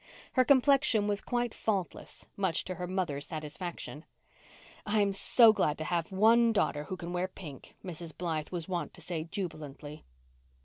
Her complexion was quite faultless, much to her mother's satisfaction. "I'm so glad I have one daughter who can wear pink," Mrs. Blythe was wont to say jubilantly.